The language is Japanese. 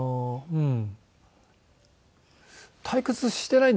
うん。